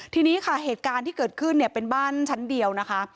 ทีนี้ค่ะเหตุการณ์ที่เกิดขึ้นเนี่ยเป็นบ้านชั้นเดียวนะคะ